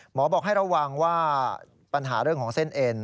หมอบอกให้ระวังว่าปัญหาเรื่องของเส้นเอ็น